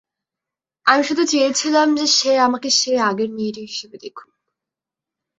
আমি শুধু চেয়েছিলাম যে সে আমাকে সেই আগের মেয়েটি হিসেবে দেখুক।